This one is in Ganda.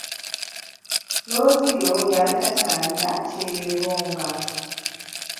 Looziyo yali takyalina kyeyegomba.